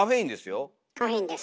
カフェインです。